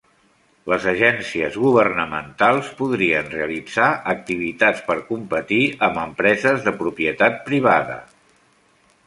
Les agències governamentals podrien realitzar activitats per competir amb empreses de propietat privada